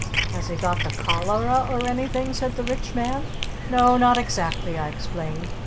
"Has he got the Cholera or anything?" said the Rich Man. "No, not exactly," I explained.